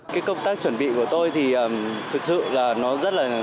cái công tác chuẩn bị của tôi thì thực sự là nó rất là